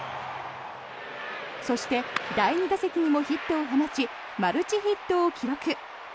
そして第２打席にもヒットを放ちマルチヒットを記録。